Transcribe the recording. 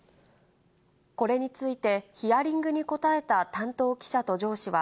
これについて、ヒアリングに答えた担当記者と上司は、